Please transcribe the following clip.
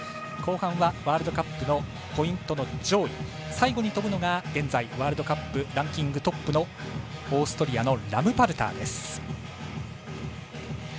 後半はワールドカップのポイントの上位最後に飛ぶのが現在ワールドカップランキングトップのオーストリアのラムパルターです。